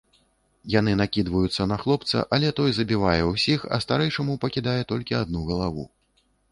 Яны накідваюцца на хлопца, але той забівае ўсіх, а старэйшаму пакідае толькі адну галаву.